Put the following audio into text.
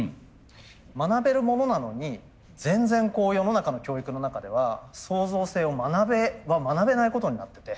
学べるものなのに全然世の中の教育の中では創造性を学べないことになってて。